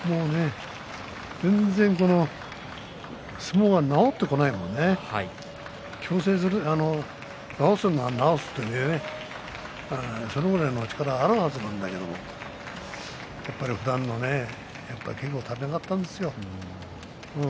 全然、相撲が直ってこんなもんね。直すなら直すということでねそれぐらいの力のはずなんだけれどもやっぱりふだんの稽古が足りなかったんですよ。